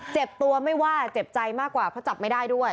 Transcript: เจ็บตัวไม่ว่าเจ็บใจมากกว่าเพราะจับไม่ได้ด้วย